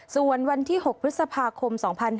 ส่วนวันที่๖พฤษภาคม๒๕๕๙